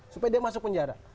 supaya dia masuk penjara